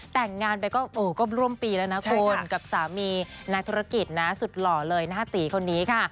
แต่งงานไปก็ร่วมปีแล้วนะคุณกับสามีนักธุรกิจนะสุดหล่อเลยหน้าตีคนนี้ค่ะ